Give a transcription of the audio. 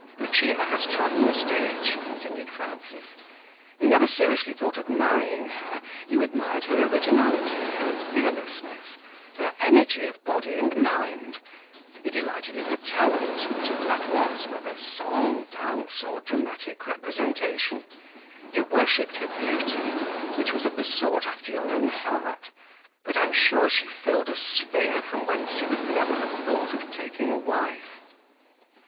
"Lucia has trodden the stage," continued Frances. "You never seriously thought of marrying her; you admired her originality, her fearlessness, her energy of body and mind; you delighted in her talent, whatever that was, whether song, dance, or dramatic representation; you worshipped her beauty, which was of the sort after your own heart: but I am sure she filled a sphere from whence you would never have thought of taking a wife."